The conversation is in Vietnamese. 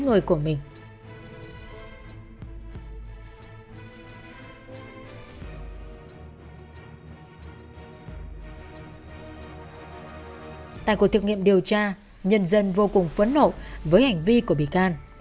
tại cuộc thực nghiệm điều tra nhân dân vô cùng phấn nổ với hành vi của bị can